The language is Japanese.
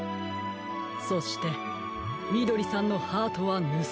そしてみどりさんのハートはぬすまれていません。